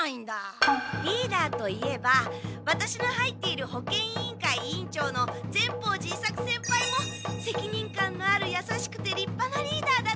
リーダーといえばワタシの入っている保健委員会委員長の善法寺伊作先輩も責任感のあるやさしくてりっぱなリーダーだと思う。